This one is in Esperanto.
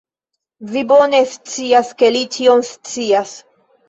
Vi bone scias, ke li ĉion scias.